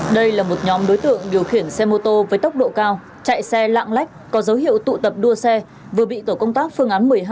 đây là một nhóm đối tượng điều khiển xe mô tô với tốc độ cao chạy xe lạng lách có dấu hiệu tụ tập đua xe vừa bị tổ công tác phương án một mươi hai